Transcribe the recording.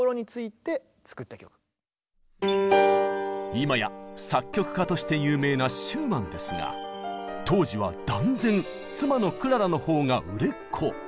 今や作曲家として有名なシューマンですが当時は断然妻のクララのほうが売れっ子。